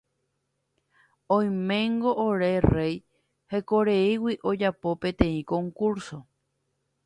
Oiméngo ore rey hekoreígui ojapo peteĩ concurso.